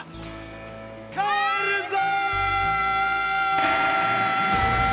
帰るぞ！